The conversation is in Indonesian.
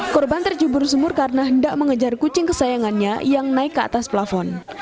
korban terjebur sumur karena hendak mengejar kucing kesayangannya yang naik ke atas plafon